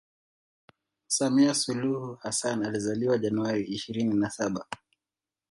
Samia suluhu Hassan alizaliwa January ishirini na saba